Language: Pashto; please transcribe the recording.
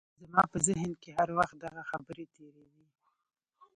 زما په ذهن کې هر وخت دغه خبرې تېرېدې.